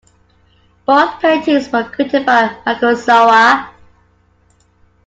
Both paintings were created by Michael Sowa.